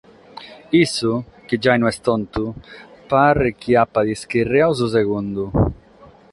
Issu, chi giai no est tontu, paret chi apat ischirriadu su segundu.